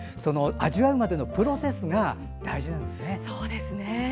味わうまでのプロセスが大事なんですね。